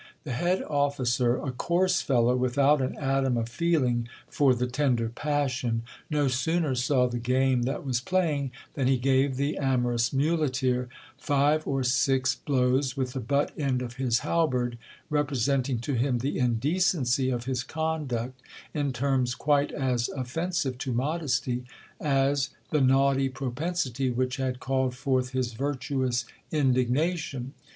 The head officer, a coarse fellow, without an atom of feeling for the tender passion, no sooner saw the game that was playing, than he gave the amorous muleteer five or six blows with the butt end of his halberd, representing to him the indecency of his conduct in terms quite as offensive to modesty as the naughty propensity which had called forth his virtuous indignation.